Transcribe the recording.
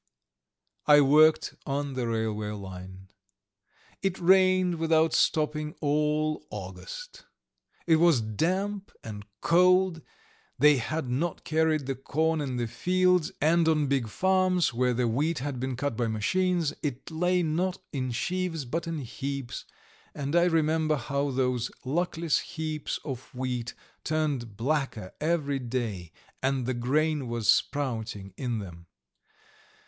I worked on the railway line. It rained without stopping all August; it was damp and cold; they had not carried the corn in the fields, and on big farms where the wheat had been cut by machines it lay not in sheaves but in heaps, and I remember how those luckless heaps of wheat turned blacker every day and the grain was sprouting in them.